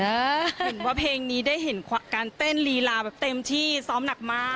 เห็นว่าเพลงนี้ได้เห็นการเต้นลีลาแบบเต็มที่ซ้อมหนักมาก